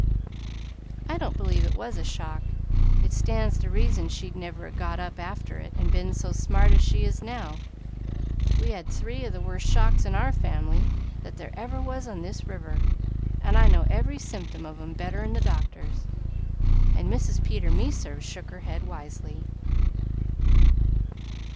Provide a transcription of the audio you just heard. "I don't believe it was a shock; it stands to reason she'd never 'a' got up after it and been so smart as she is now; we had three o' the worst shocks in our family that there ever was on this river, and I know every symptom of 'em better'n the doctors." And Mrs. Peter Meserve shook her head wisely.